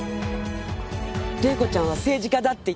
玲子ちゃんは政治家だって言った。